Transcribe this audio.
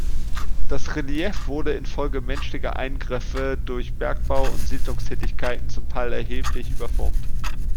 Das Relief wurde infolge menschlicher Eingriffe durch Bergbau und Siedlungstätigkeit zum Teil erheblich überformt.